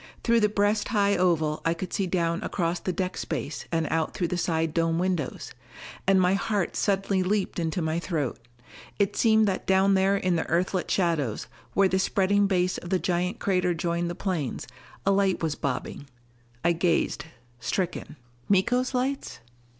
Through the breast high oval I could see down across the deck space and out through the side dome windows. And my heart suddenly leaped into my throat. It seemed that down there in the Earthlit shadows, where the spreading base of the giant crater joined the plains, a light was bobbing. I gazed, stricken. Miko's lights?